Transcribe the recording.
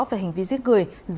về hành vi giết người